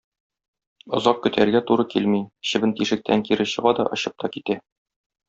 Озак көтәргә туры килми, чебен тишектән кире чыга да очып та китә.